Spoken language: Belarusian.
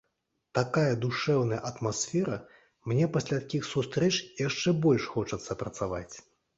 Такая душэўная атмасфера, мне пасля такіх сустрэч яшчэ больш хочацца працаваць.